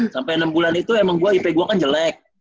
sampai enam bulan itu emang gue ip gue kan jelek